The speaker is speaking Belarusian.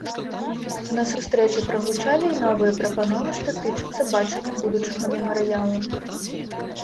На сустрэчы прагучалі і новыя прапановы, што тычацца бачання будучага мемарыялу.